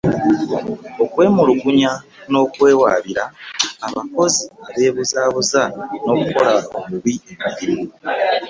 Okwemulugunya n'okuwaabira abakozi abeebuzaabuza n'okukola obubi emirimu